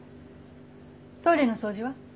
トイレの掃除は？